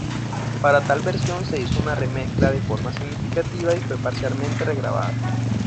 Para tal versión se hizo una remezcla de forma significativa y fue parcialmente regrabada.